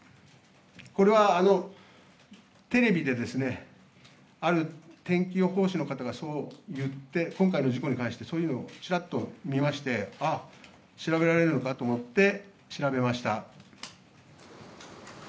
これはテレビで、ある天気予報士の方がそう言って、今回の事故に関して、そういうのをちらっと見まして、あっ、調べられるのかと思って、調べました。